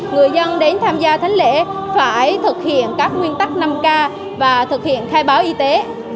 người dân đến tham gia thánh lễ phải thực hiện các nguyên tắc năm k và thực hiện khai báo y tế